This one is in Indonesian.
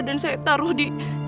dan saya taruh di